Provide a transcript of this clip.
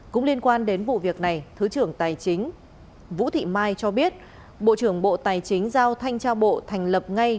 cũng liên quan đến vụ việc này thứ trưởng tài chính vũ thị mai cho biết bộ trưởng bộ tài chính giao thanh tra bộ thành lập ngay